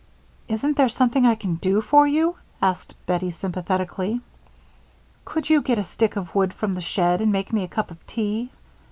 "Isn't there something I can do for you?" asked Bettie, sympathetically. "Could you get a stick of wood from the shed and make me a cup of tea?